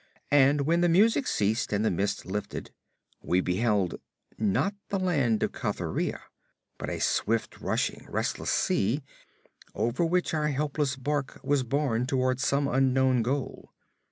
And when the music ceased and the mist lifted, we beheld not the Land of Cathuria, but a swift rushing resistless sea, over which our helpless barque was borne toward some unknown goal.